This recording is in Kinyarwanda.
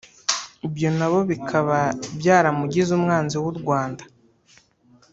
ibyo nabo bikaba byaramugize umwanzi w’u Rwanda